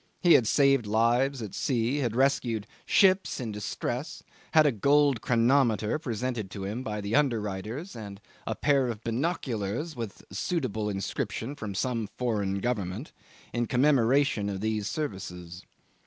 He had saved lives at sea, had rescued ships in distress, had a gold chronometer presented to him by the underwriters, and a pair of binoculars with a suitable inscription from some foreign Government, in commemoration of these services.